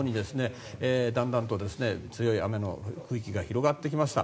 だんだんと強い雨の区域が広がってきました。